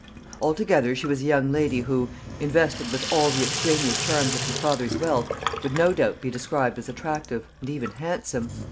Altogether, she was a young lady who, invested with all the extraneous charms of her father's wealth, would no doubt be described as attractive, and even handsome.